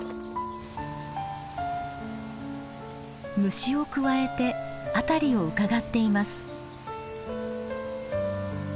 虫をくわえて辺りをうかがっています。